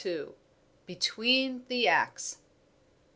BETWEEN THE ACTS.